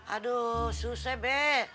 aduh susah be